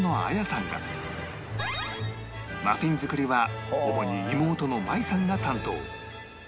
マフィン作りは主に妹の舞さんが担当